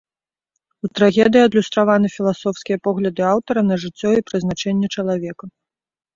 У трагедыі адлюстраваны філасофскія погляды аўтара на жыццё і прызначэнне чалавека.